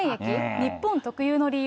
日本特有の理由？